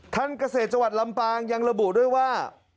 ท่านเกษตรจัวรรดิลำปางยังระบุด้วยว่า